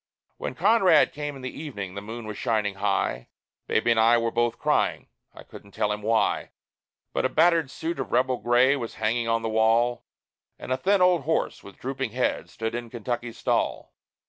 When Conrad came in the evening, the moon was shining high; Baby and I were both crying I couldn't tell him why But a battered suit of rebel gray was hanging on the wall, And a thin old horse, with drooping head, stood in Kentucky's stall.